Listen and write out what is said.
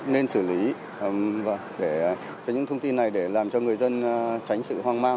nên xử lý những thông tin này để làm cho người dân tránh sự hoang mang